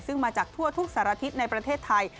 ซึ่งมาจากทั่วทุกสารทิศในประเทศไทย